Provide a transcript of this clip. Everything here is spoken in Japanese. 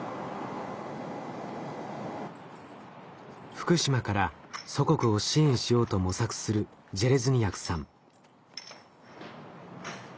福島から祖国を支援しようと模索するジェレズニヤクさん。